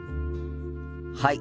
はい。